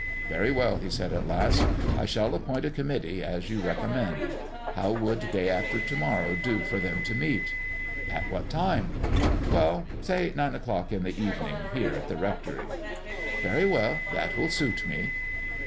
"Very well," he said, at last, "I shall appoint a committee, as you recommend. How would day after to morrow do for them to meet?" "At what time?" "Well, say nine o'clock in the evening, here at the rectory." "Very well; that will suit me."